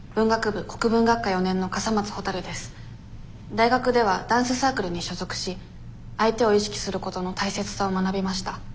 大学ではダンスサークルに所属し相手を意識することの大切さを学びました。